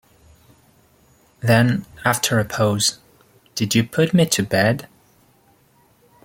Then, after a pause: "Did you put me to bed?"